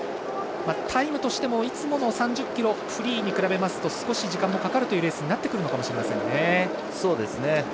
タイムとしてもいつもの３０ｋｍフリーに比べますと少し時間がかかるレースになってくるんでしょうね。